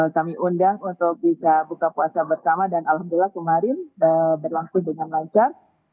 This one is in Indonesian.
kami undang untuk bisa buka puasa bersama dan alhamdulillah kemarin berlangsung dengan lancar